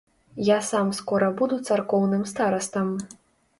Я сам скора буду царкоўным старастам.